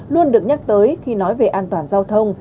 luôn được nhắc tới khi nói về an toàn giao thông